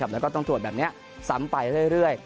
แล้วก็ต้องตรวจแบบนี้ซ้ำไปเรื่อย